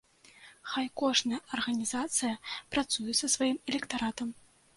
Хай кожная арганізацыя працуе са сваім электаратам.